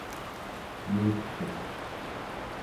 yuurtuq